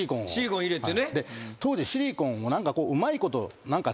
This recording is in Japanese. シリコン入れて。